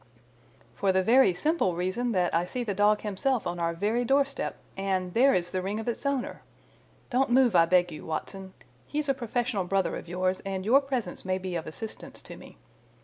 "For the very simple reason that I see the dog himself on our very door step, and there is the ring of its owner. Don't move, I beg you, Watson. He is a professional brother of yours, and your presence may be of assistance to me.